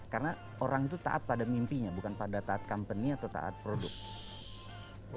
karena orang itu taat pada mimpinya bukan pada taat company atau taat produk